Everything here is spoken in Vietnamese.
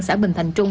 xã bình thành trung